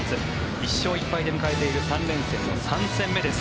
１勝１敗で迎えている３連戦の３戦目です。